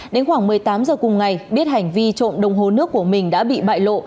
đến khoảng một mươi tám h cùng ngày biết hành vi trộm đồng hồ nước của mình đã bị bại lộ